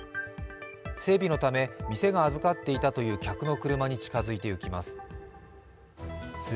整備のため、店が預かっていたという客の車に近づいていきます。